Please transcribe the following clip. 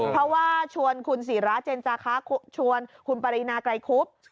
เพราะว่าชวนคุณศิราเจนจาคะชวนคุณปรินาไกรคุบ